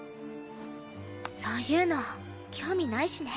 そういうの興味ないしね。